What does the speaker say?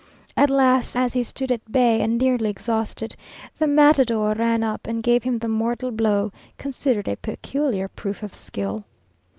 At last, as he stood at bay, and nearly exhausted, the matador ran up and gave him the mortal blow, considered a peculiar proof of skill.